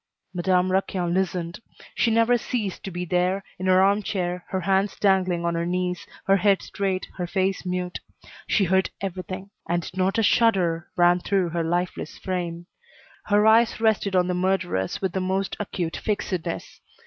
Madame Raquin listened. She never ceased to be there, in her armchair, her hands dangling on her knees, her head straight, her face mute. She heard everything, and not a shudder ran through her lifeless frame. Her eyes rested on the murderers with the most acute fixedness.